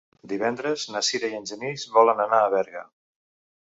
Divendres na Sira i en Genís volen anar a Berga.